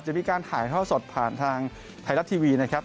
มีการถ่ายท่อสดผ่านทางไทยรัฐทีวีนะครับ